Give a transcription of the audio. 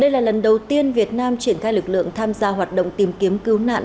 đây là lần đầu tiên việt nam triển khai lực lượng tham gia hoạt động tìm kiếm cứu nạn